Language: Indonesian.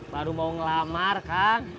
baru mau ngelamar kang